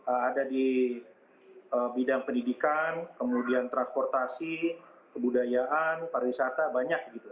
ada di bidang pendidikan kemudian transportasi kebudayaan pariwisata banyak gitu